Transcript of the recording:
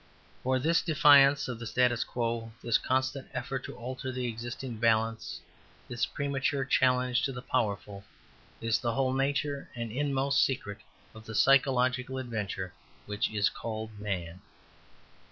For this defiance of the statu quo, this constant effort to alter the existing balance, this premature challenge to the powerful, is the whole nature and inmost secret of the psychological adventure which is called man.